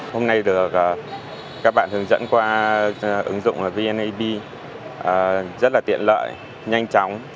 hôm nay được các bạn hướng dẫn qua ứng dụng vneid rất là tiện lợi nhanh chóng